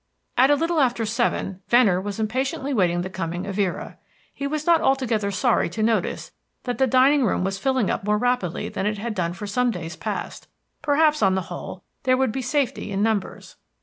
At a little after seven Venner was impatiently waiting the coming of Vera. He was not altogether sorry to notice that the dining room was filling up more rapidly than it had done for some days past. Perhaps, on the whole, there would be safety in numbers.